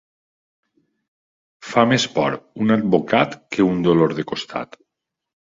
Fa més por un advocat que un dolor de costat.